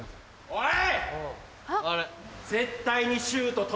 おい！